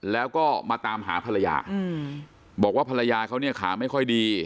แล้วก็มาตามหาภรรยาบอกว่าภรรยาเขาเนี่ยขาไม่ค่อยดี